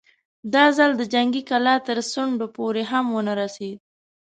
دا ځل د جنګي کلا تر څنډو پورې هم ونه رسېد.